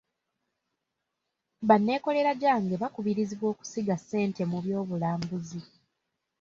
Banneekolera gyange bakubirizibwa okusiga ssente mu byobulambuzi.